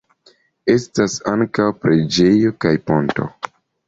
Estas ankaŭ preĝejo kaj ponto.